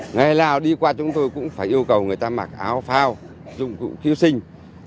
ngày nào đi qua chúng tôi cũng phải yêu cầu người ta mặc áo phao dụng cụ cứu sinh